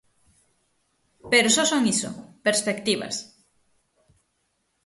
Pero son só iso: perspectivas.